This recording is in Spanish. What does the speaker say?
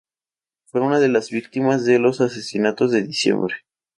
Fue una de las víctimas de los Asesinatos de Diciembre.